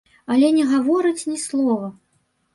Але не гаворыць ні слова.